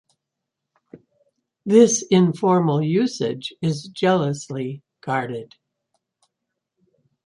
This informal usage is jealously guarded.